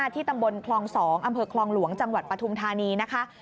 ที่ตำบลคลอง๒อำเภอคลองหลวงจังหวัดปฐุมธานีนะคะ